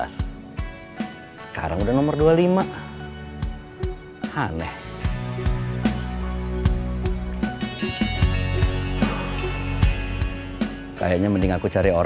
sekarang udah nomor dua puluh lima